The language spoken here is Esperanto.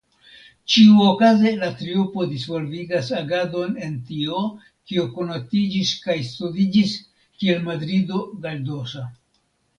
Ĉiuoakze la triopo disvolvigas agadon en tio kio konatiĝis kaj studiĝis kiel Madrido galdosa.